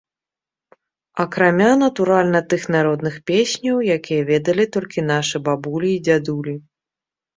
Акрамя, натуральна, тых народных песняў, якія ведалі толькі нашы бабулі і дзядулі.